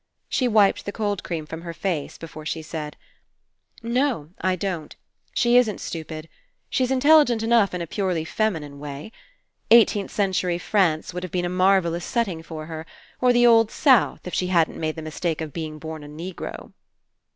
She wiped the cold cream from her face, before she said: "No, I don't. She isn't stupid. 159 PASSING She's intelligent enough In a purely feminine way. Eighteenth century France would have been a marvellous setting for her, or the old South if she hadn't made the mistake of being born a Negro."